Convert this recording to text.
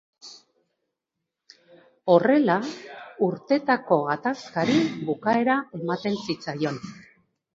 Horrela, urtetako gatazkari bukaera ematen zitzaion.